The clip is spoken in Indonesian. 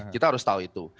kita harus tahu itu